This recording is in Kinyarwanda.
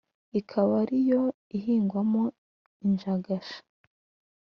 ikaba ari yo ihingwamo injagasha